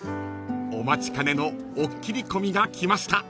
［お待ちかねのおっきりこみが来ました］